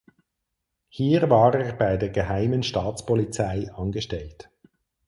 Hier war er bei der Geheimen Staatspolizei angestellt.